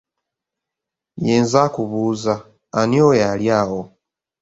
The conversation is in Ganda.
Ye nze akubuuza, ani oyo ali awo?